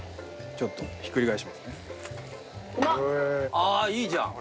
あっいいじゃん。